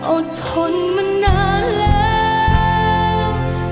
อดทนมานานแล้ว